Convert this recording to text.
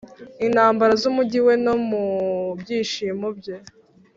intambara z'umujyi we; no mu byishimo bye